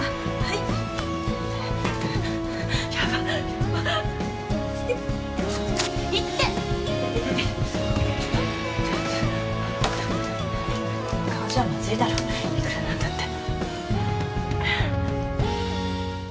いくら何だって。